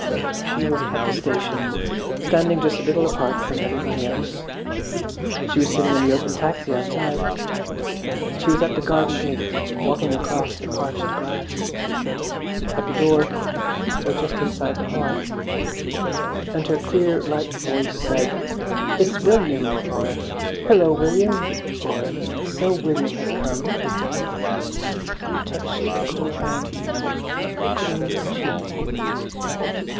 She was at the station, standing just a little apart from everybody else; she was sitting in the open taxi outside; she was at the garden gate; walking across the parched grass; at the door, or just inside the hall. And her clear, light voice said, "It's William," or "Hillo, William!" or "So William has come!" He touched her cool hand, her cool cheek.